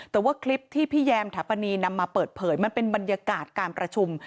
แต่ว่าคลิปที่พี่แยมถาปนีนำมาเปิดเผยมันเป็นบรรยากาศการประชุม